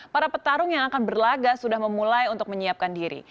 para petarung yang akan berlaga sudah memulai untuk menyiapkan diri